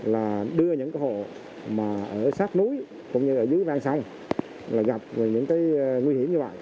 là đưa những hộ sát núi cũng như dưới vang sông gặp những nguy hiểm như vậy